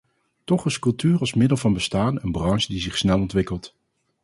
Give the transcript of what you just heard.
Toch is cultuur als middel van bestaan een branche die zich snel ontwikkelt.